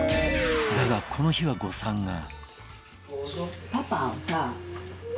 だが、この日は誤算が。